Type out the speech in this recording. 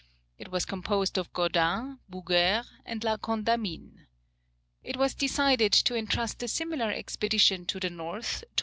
It was composed of Godin, Bouguer, and La Condamine. It was decided to entrust a similar expedition to the North to Maupertuis.